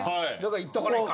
行っとかないかん。